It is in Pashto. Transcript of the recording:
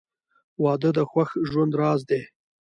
• واده د خوښ ژوند راز دی.